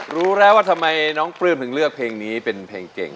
รู้แล้วว่าทำไมน้องปลื้มถึงเลือกเพลงนี้เป็นเพลงเก่ง